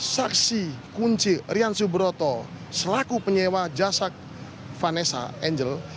saksi kunci rian subroto selaku penyewa jasak vanessa angel